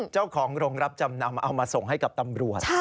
เจ้าของโรงรับจำนำเอามาส่งให้กับตำรวจ